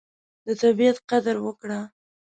د طبیعت قدر وکړه.